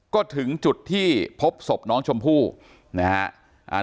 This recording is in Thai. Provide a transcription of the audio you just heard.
ก็ถึงจุดที่พบศพน้องชมพู่นะฮะ